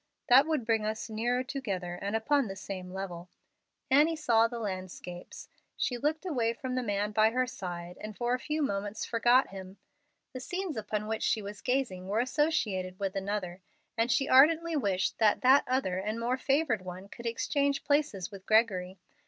That would bring us nearer together and upon the same level." Annie saw the landscapes. She looked away from the man by her side and for a few moments forgot him. The scenes upon which she was gazing were associated with another, and she ardently wished that that other and more favored one could exchange places with Gregory.